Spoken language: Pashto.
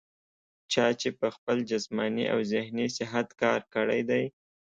چا چې پۀ خپل جسماني او ذهني صحت کار کړے دے